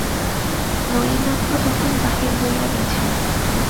নলিনাক্ষ তখন বাহির হইয়া গেছেন।